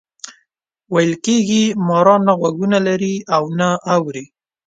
ویل کېږي ماران نه غوږونه لري او نه اوري.